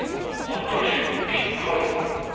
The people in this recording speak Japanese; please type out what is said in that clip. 私にぴったりの？